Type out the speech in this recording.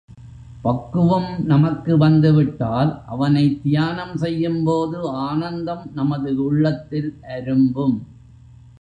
பக்குவம் நமக்கு வந்து விட்டால் அவனைத் தியானம் செய்யும்போது ஆனந்தம் நமது உள்ளத்தில் அரும்பும்.